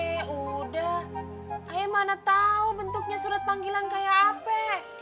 eh udah ayo mana tau bentuknya surat panggilan kayak ap